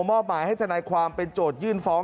มอบหมายให้ทนายความเป็นโจทยื่นฟ้อง